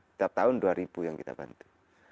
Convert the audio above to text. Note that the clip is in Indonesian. setiap tahun dua ribu yang kita bantu